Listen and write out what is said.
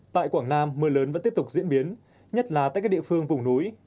tại quảng nam mưa lớn vẫn tiếp tục diễn biến nhất là tại các địa phương vùng núi